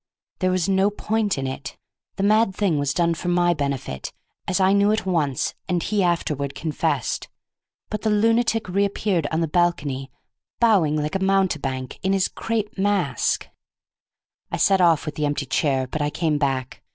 There was no point in it; the mad thing was done for my benefit, as I knew at once and he afterward confessed; but the lunatic reappeared on the balcony, bowing like a mountebank—in his crape mask! I set off with the empty chair, but I came back.